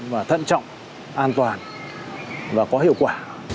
và thận trọng an toàn và có hiệu quả